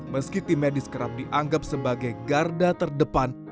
meski tim medis kerap dianggap sebagai garda terdepan